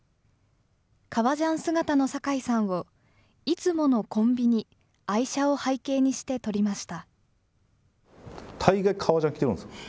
革ジャン姿の酒井さんを、いつものコンビニ、愛車を背景にして撮りました。